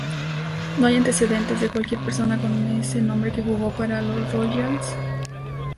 No hay antecedentes de cualquier persona con ese nombre que jugó para los Royals.